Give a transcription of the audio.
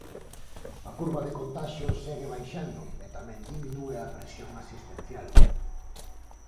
A curva de contaxios segue baixando e tamén diminúe a presión asistencial.